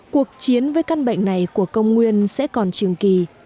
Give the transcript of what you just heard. cuộc chiến với căn bệnh này của công nguyên sẽ còn trường kỳ